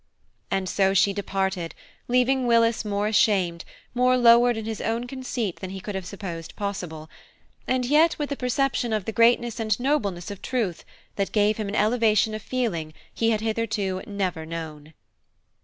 And so she departed, leaving Willis more ashamed, more lowered in his own conceit than he could have supposed possible, and yet with a perception of the greatness and nobleness of truth that gave him an elevation of feeling he had hitherto never known.